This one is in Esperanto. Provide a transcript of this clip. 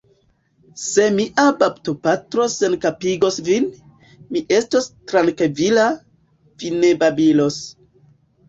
Se mia baptopatro senkapigos vin, mi estos trankvila, vi ne babilos.